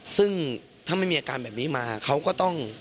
ซึ่งถ้าไม่มีอาการแบบนี้มาเขาก็ต้อง